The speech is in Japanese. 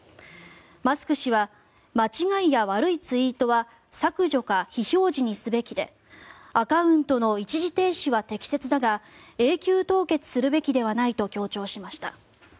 マスク氏は間違いや悪いツイートは削除か非表示にすべきでアカウントの一時停止は適切だが永久凍結するべきではないと強調しました。